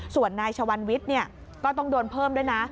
ส่วนนายชวันวิทย์ก็ต้องโดนเพิ่มด้วยนะ